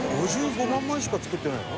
５５万枚しか作ってないの？